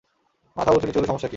মাথা উচু-নিচু হলে সমস্যা কি?